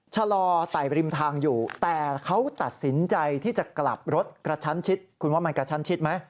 ชะลอไต่ริมทางอยู่แต่เขาตัดสินใจที่จะกลับรถกระชั้นชิดคุณว่ามันกระชั้นชิดไหม